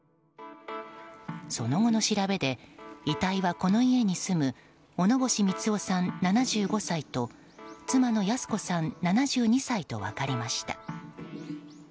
その後の調べで遺体はこの家に住む小野星三男さん、７５歳と妻の泰子さん、７２歳と分かりました。